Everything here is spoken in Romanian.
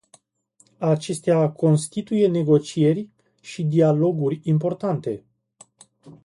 Acestea constituie negocieri și dialoguri importante.